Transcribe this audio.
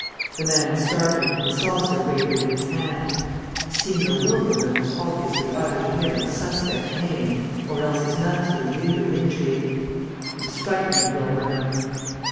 The man started, and the saucer wavered in his hand. Signor Wilbraham was obviously either to him a suspect name, or else his master and leader in intrigue. He was frightened of Wilbraham.